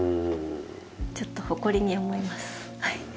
ちょっと誇りに思います。